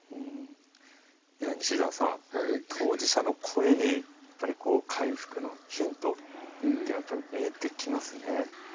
西澤さん当事者の声に回復のヒントっていうの見えてきますね。